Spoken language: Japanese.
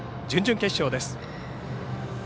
準々決勝です。